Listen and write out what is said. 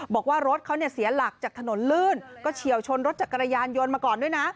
บอกว่ารถเขาเนี่ยเสียหลักจากถนนลื่นก็เฉียวชนรถจักรยานยนต์มาก่อนด้วยนะ